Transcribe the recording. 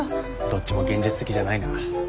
どっちも現実的じゃないな。